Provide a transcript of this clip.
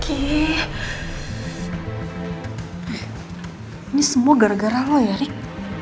ini semua gara gara lo ya rick